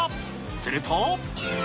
すると。